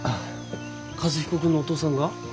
和彦君のお父さんが？